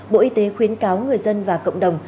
bộ y tế khuyến cáo người dân và cộng đồng